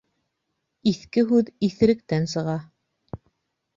Иҫке һүҙ иҫеректән сыға.